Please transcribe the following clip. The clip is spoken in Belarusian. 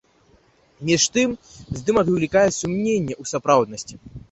Між тым, здымак выклікае сумненні ў сапраўднасці.